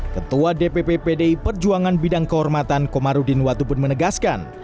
ketua dpp pdi perjuangan bidang kehormatan komarudin watubun menegaskan